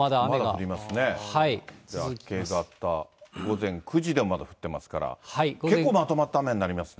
明け方、午前９時でもまだ降ってますから、結構まとまった雨になりますね。